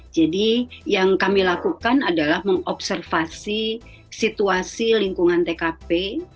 jadi yang kami lakukan adalah mengobservasi situasi lingkungan tkp